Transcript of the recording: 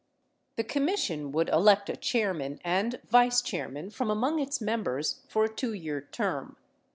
The Commission would elect a chairman and vice chairman from among its members for a 2 year term.